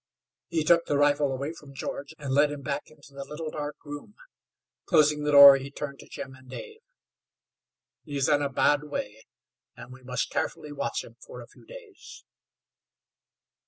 He took the rifle away from George, and led him back into the little, dark room. Closing the door he turned to Jim and Dave. "He is in a bad way, and we must carefully watch him for a few days."